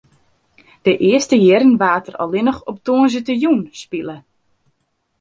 De earste jierren waard der allinne op tongersdeitejûn spile.